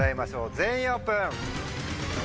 全員オープン！